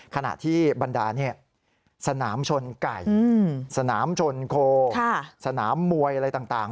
ขณะที่บรรดาสนามชนไก่สนามชนโคสนามมวยอะไรต่าง